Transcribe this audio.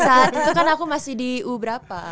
saat itu kan aku masih di u berapa